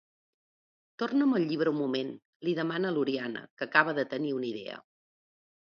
Torna'm el llibre un moment —li demana l'Oriana, que acaba de tenir una idea—.